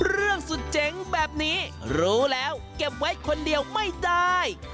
เรื่องสุดเจ๋งแบบนี้รู้แล้วเก็บไว้คนเดียวไม่ได้